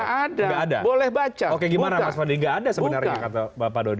tidak ada boleh baca